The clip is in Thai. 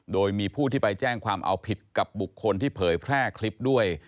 โดยมีผู้ที่ไปแจ้งความเอาผิดกับบุคคลที่เผยแพร่คลิปด้วย